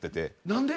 何で？